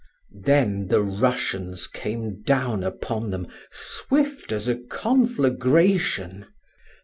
Then the Russians came down upon them, swift as a conflagration.